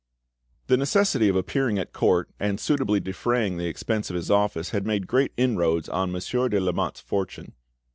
The necessity of appearing at court and suitably defraying the expenses of his office had made great inroads on Monsieur de Lamotte's fortune.